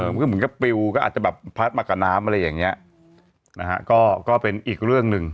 มันก็เหมือนกับปิวก็อาจจะแบบพัดมากับน้ำอะไรอย่างเงี้ยนะฮะก็ก็เป็นอีกเรื่องหนึ่ง